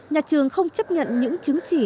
nhà trường không chấp nhận những chứng chỉ